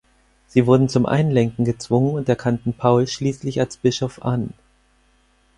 Sie wurden zum Einlenken gezwungen und erkannten Paul schließlich als Bischof an.